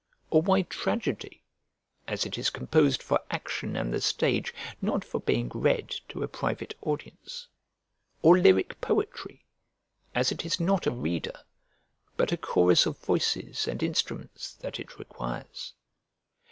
or why tragedy, as it is composed for action and the stage, not for being read to a private audience? or lyric poetry, as it is not a reader, but a chorus of voices and instruments that it requires?